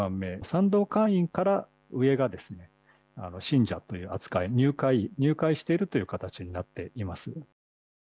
賛同会員から上が信者という扱い入会しているという形になっています。